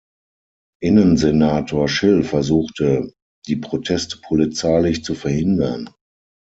Innensenator Schill versuchte, die Proteste polizeilich zu verhindern.